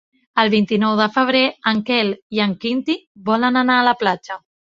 El vint-i-nou de febrer en Quel i en Quintí volen anar a la platja.